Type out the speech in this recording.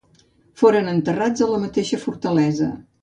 Foren enterrats a la mateixa fortalesa.